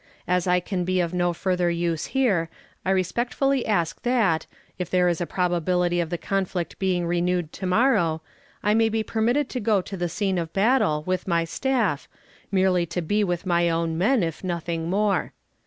As I can be of no further use here, I respectfully ask that, if there is a probability of the conflict being renewed to morrow, I may be permitted to go to the scene of battle with my staff, merely to be with my own men, if nothing more.